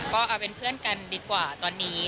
ก็เอาเป็นเพื่อนกันดีกว่าตอนนี้